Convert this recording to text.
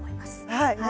はい。